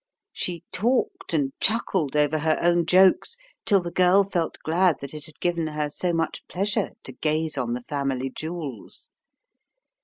She talked ana chuckled over her own jokes till the girl felt glad that it had given her so much pleasure to gaze on the family jewels.